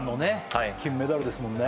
はい金メダルですもんね